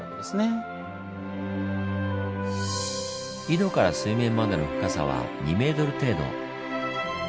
井戸から水面までの深さは２ｍ程度。